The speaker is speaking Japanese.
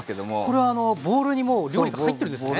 これはボウルにもう料理が入ってるんですね。